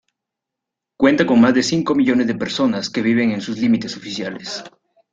Cuenta con más de cinco millones de personas que viven en sus límites oficiales.